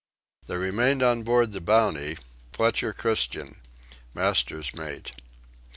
There remained on board the Bounty: Fletcher Christian: Master's Mate.